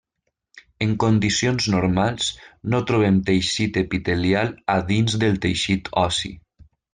En condicions normals, no trobem teixit epitelial a dins del teixit ossi.